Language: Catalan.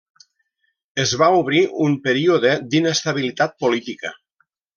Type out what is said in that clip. Es va obrir un període d'inestabilitat política.